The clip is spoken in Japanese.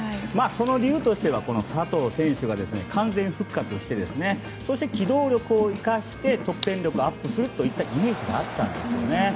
その理由としてはこの佐藤選手が完全復活してそして機動力を生かして得点力をアップするといったイメージがあったんですよね。